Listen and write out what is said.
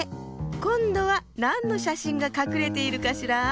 こんどはなんのしゃしんがかくれているかしら？